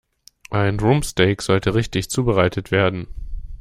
Ein Rumpsteak sollte richtig zubereitet werden.